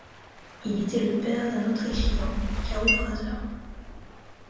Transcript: Il était le père d'un autre écrivain, Caro Fraser.